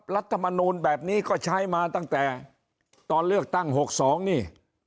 รัฐมนูลแบบนี้ก็ใช้มาตั้งแต่ตอนเลือกตั้ง๖๒นี่